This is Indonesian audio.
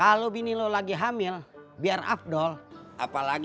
aduh nak air banci mak gustadz